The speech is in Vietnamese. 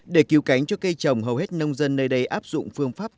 để cứu cánh cho cây trồng hầu hết nông dân nơi đây áp dụng phương pháp